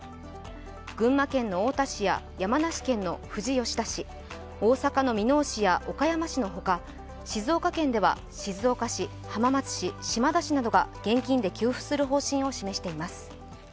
群馬県の太田市や山梨県の富士吉田市、大阪の箕面市や岡山市の他、静岡県では静岡市浜松市、島田市などが現金で給付する方針を示しています。